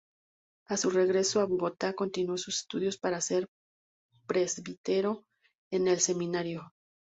A su regreso a Bogotá, continuó sus estudios para ser presbítero en el seminario.